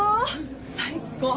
・最高！